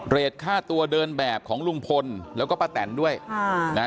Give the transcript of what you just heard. ค่าตัวเดินแบบของลุงพลแล้วก็ป้าแตนด้วยอ่านะฮะ